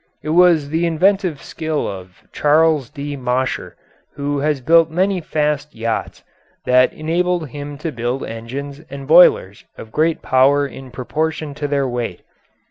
It was the inventive skill of Charles D. Mosher, who has built many fast yachts, that enabled him to build engines and boilers of great power in proportion to their weight.